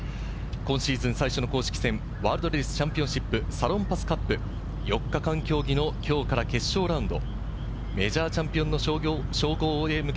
今シーズン最初の公式戦、ワールドレディスチャンピオンシップサロンパスカップ、４日間競技の今日から決勝ラウンド。